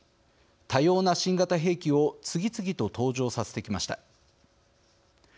多様な新型兵器を次々と登場させてきました。